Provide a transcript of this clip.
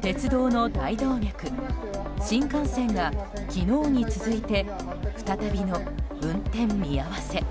鉄道の大動脈、新幹線が昨日に続いて再び運転見合わせ。